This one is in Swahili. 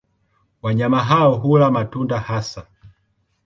Wanyama hao hula matunda hasa.